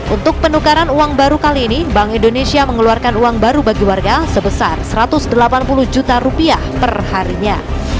untuk penukaran uang baru kali ini bank indonesia mengeluarkan uang baru bagi warga sebesar satu ratus delapan puluh juta rupiah perharinya